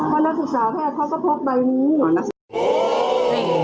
เพราะนักศึกษาแพทย์เขาก็พบใบนี้